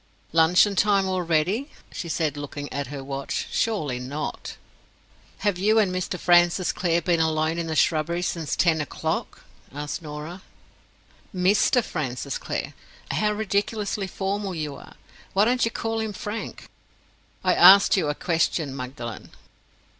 "Luncheon time already!" she said, looking at her watch. "Surely not?" "Have you and Mr. Francis Clare been alone in the shrubbery since ten o'clock?" asked Norah. "Mr. Francis Clare! How ridiculously formal you are. Why don't you call him Frank?" "I asked you a question, Magdalen."